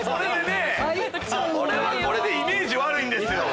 これはこれでイメージ悪いんですよ。